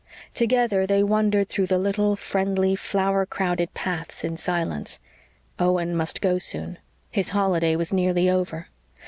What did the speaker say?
Together they wandered through the little, friendly, flower crowded paths in silence. Owen must go soon. His holiday was nearly over.